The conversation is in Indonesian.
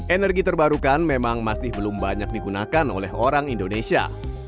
energi terbarukan memang masih belum banyak digunakan oleh orang indonesia